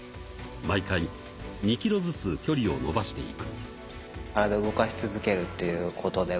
毎回２キロずつ距離を伸ばしていく。